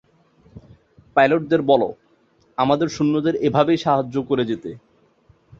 পাইলটদের বলো, আমাদের সৈন্যদের এভাবেই সাহায্য করে যেতে।